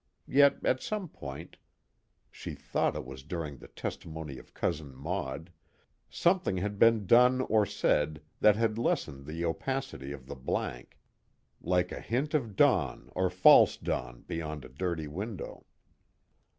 Yet at some point she thought it was during the testimony of Cousin Maud something had been done or said that had lessened the opacity of the Blank, like a hint of dawn or false dawn beyond a dirty window.